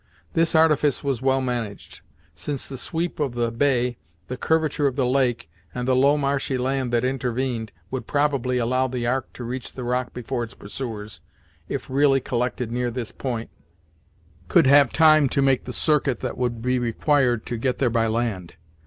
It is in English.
This artifice was well managed; since the sweep of the bay, the curvature of the lake, and the low marshy land that intervened, would probably allow the ark to reach the rock before its pursuers, if really collected near this point, could have time to make the circuit that would be required to get there by land.